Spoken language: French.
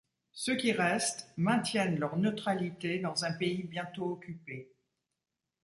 Ceux qui restent maintiennent leur neutralité dans un pays bientôt occupé.